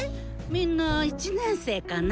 みんな１年生かな？